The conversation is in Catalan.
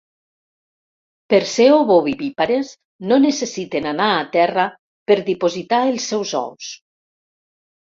Per ser ovovivípares no necessiten anar a terra per dipositar els seus ous.